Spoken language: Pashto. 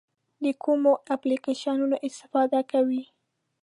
د کومو اپلیکیشنونو استفاده کوئ؟